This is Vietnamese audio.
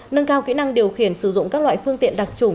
nâng cao kỹ năng điều khiển sử dụng các loại phương tiện đặc trùng